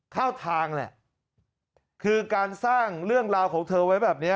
เข้าทางแหละคือการสร้างเรื่องราวของเธอไว้แบบนี้